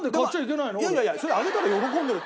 いやいやそれはあげたら喜んでるって。